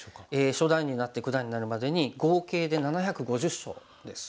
初段になって九段になるまでに合計で７５０勝です。